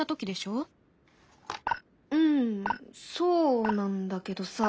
うんそうなんだけどさ。